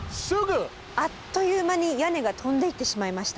あっという間に屋根が飛んでいってしまいました。